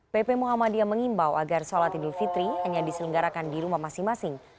pp muhammadiyah mengimbau agar sholat idul fitri hanya diselenggarakan di rumah masing masing